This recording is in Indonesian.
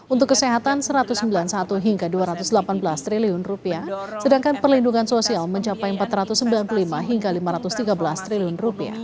untuk kesehatan rp satu ratus sembilan puluh satu hingga rp dua ratus delapan belas triliun sedangkan perlindungan sosial mencapai rp empat ratus sembilan puluh lima hingga rp lima ratus tiga belas triliun